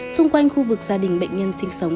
xung quanh khu vực gia đình bệnh nhân sinh sống